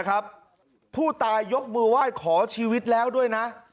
ผู้ตายยกมือไหว้ขอชีวิตแล้วด้วยนะ